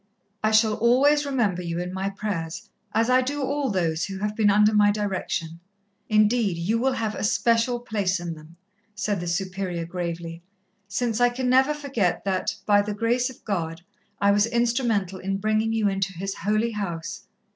"I shall always remember you in my prayers, as I do all those who have been under my direction. Indeed, you will have a special place in them," said the Superior gravely, "since I can never forget that, by the grace of God, I was instrumental in bringing you into His holy house.